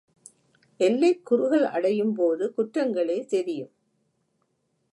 எல்லை குறுகல் அடையும்போது குற்றங்களே தெரியும்.